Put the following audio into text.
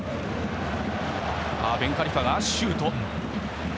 ベンカリファ、シュート。